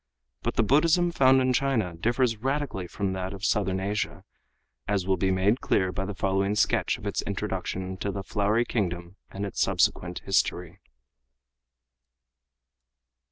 But the Buddhism found in China differs radically from that of Southern Asia, as will be made clear by the following sketch of its introduction into the Flowery Kingdom and its subsequent history.